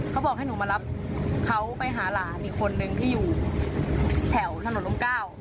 เขาบอกให้หนูมารับเขาไปหาหลานอีกคนนึงที่อยู่แถวถนนร่มเก้า